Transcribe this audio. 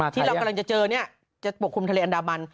ที่เรากำลังจะเจอจะปกคลุมทะเลอันดามัน